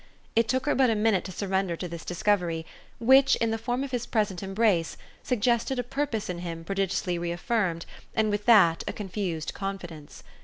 It took her but a minute to surrender to this discovery, which, in the form of his present embrace, suggested a purpose in him prodigiously reaffirmed and with that a confused confidence.